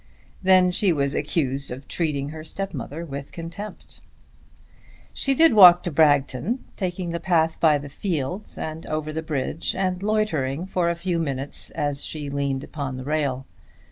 Then she was accused of treating her stepmother with contempt. She did walk to Bragton, taking the path by the fields and over the bridge, and loitering for a few minutes as she leant upon the rail.